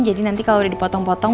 jadi nanti kalo udah dipotong potong